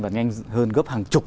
và nhanh hơn gấp hàng chục